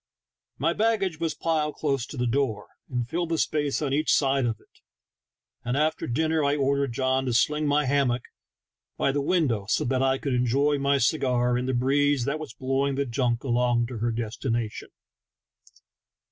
My bag gage was piled close to the door and filled the space on each side of it, and after dinner I ordered John to sling my hammock by the window so that I could enjoy my cigar in the breeze that was blowing the junk along to her destination.